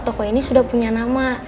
tokoh ini sudah punya nama